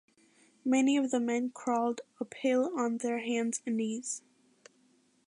Many of the men crawled uphill on their hands and knees.